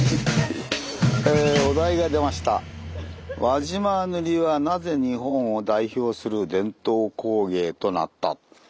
「輪島塗はなぜ日本を代表する伝統工芸となった？」。